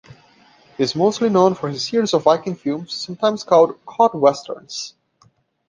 He is mostly known for his series of Viking films, sometimes called "Cod Westerns".